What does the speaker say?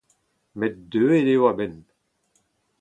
Met deuet eo a-benn.